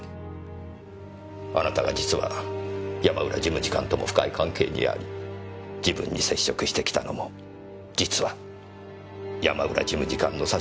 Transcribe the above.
あなたが実は山浦事務次官とも深い関係にあり自分に接触してきたのも実は山浦事務次官の差し金であった事もすべて。